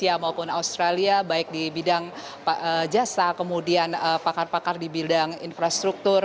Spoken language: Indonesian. maupun australia baik di bidang jasa kemudian pakar pakar di bidang infrastruktur